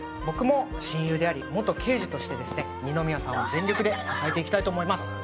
僕も親友であり元刑事としてですね二宮さんを全力で支えていきたいと思います